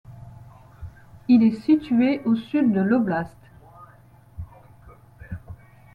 Il est situé au sud de l'oblast.